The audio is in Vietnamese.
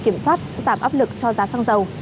kiểm soát giảm áp lực cho giá xăng dầu